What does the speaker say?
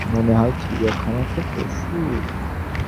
মনে হয় আমি চিড়িয়াখানার একটা পশু।